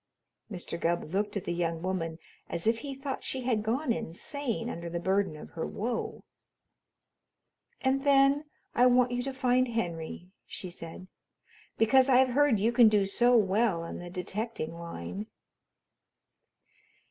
Mr. Gubb looked at the young woman as if he thought she had gone insane under the burden of her woe. "And then I want you to find Henry," she said, "because I've heard you can do so well in the detecting line."